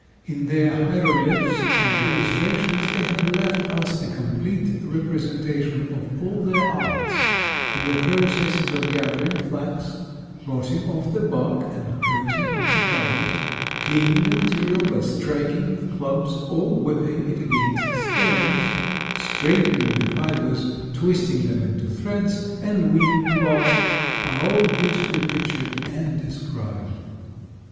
In their hieroglyphics and illustrations they have left us a complete representation of all their arts, and the processes of gathering flax, rotting off the bark and coatings of the fibers, cleaning the material by striking with clubs or whipping it against stones, straightening the fibers, twisting them into threads, and weaving cloth, are all beautifully pictured and described.